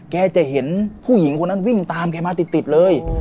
แกจะเห็นผู้หญิงคนนั้นวิ่งตามแกมาติดเลย